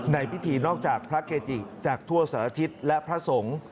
ในพิธีนอกจากพระเกจิจากทั่วสารทิศและพระสงฆ์